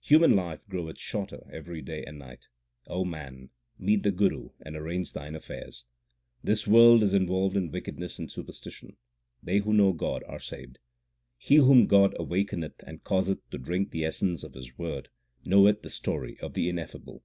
Human life groweth shorter every day and night ; O man, meet the Guru and arrange thine affairs. This world is involved in wickedness and superstition ; they who know God are saved. He whom God awakeneth and causeth to drink the essence of His word, knoweth the story of the Ineffable.